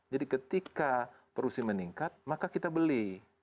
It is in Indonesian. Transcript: jadi ketika produksi meningkat maka kita beli